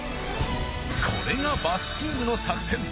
これがバスチームの作戦。